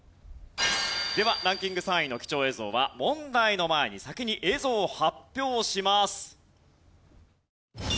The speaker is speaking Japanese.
ではランキング３位の貴重映像は問題の前に先に映像を発表します。